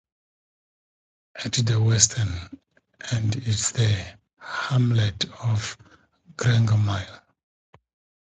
At the western end is the hamlet of Grangemill.